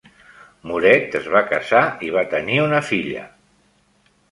Mouret es va casar i va tenir una filla.